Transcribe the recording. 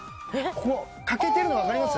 ここ欠けてるの分かります？